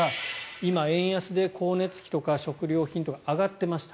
今、円安で光熱費とか食料品とか上がっていました。